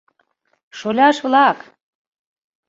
— Шоляш-влак!